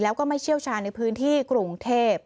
แล้วก็ไม่เชี่ยวชาญในพื้นที่กรุงเทพ